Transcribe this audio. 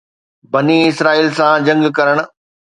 بني اسرائيلن سان جنگ ڪرڻ